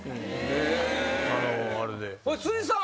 辻さん